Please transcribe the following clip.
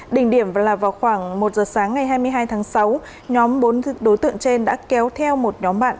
đỉnh điểm là vào khoảng một giờ sáng ngày hai mươi hai tháng sáu nhóm bốn đối tượng trên đã kéo theo một nhóm bạn